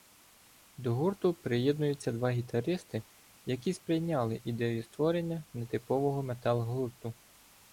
до гурту приєднуються два гітаристи, які сприйняли ідею створення нетипового метал-гурту